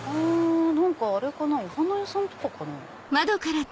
あれかなお花屋さんとかかな？